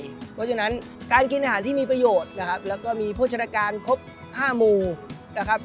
เพราะฉะนั้นการกินอาหารที่มีประโยชน์นะครับแล้วก็มีโภชนาการครบ๕หมู่นะครับ